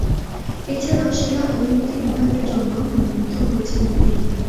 এছাড়াও সেরা অভিনেত্রী বিভাগের জন্যও মনোনীত হয়েছিলেন তিনি।